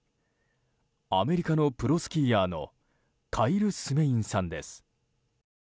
アメリカのプロスキーヤーのカイル・スメインさんです。